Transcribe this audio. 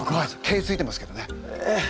毛ついてますけどね。